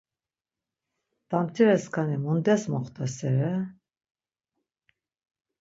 Damtireskani mundes moxtasere?